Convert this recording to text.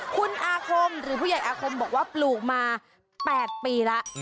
คุณอาคมหรือผู้ใหญ่อาคมบอกว่าปลูกมา๘ปีแล้ว